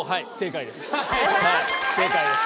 正解です。